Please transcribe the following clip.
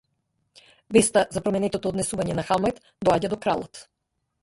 Веста за променетото однесување на Хамлет доаѓа до кралот.